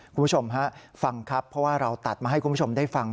คุณผู้ชมฮะฟังครับเพราะว่าเราตัดมาให้คุณผู้ชมได้ฟัง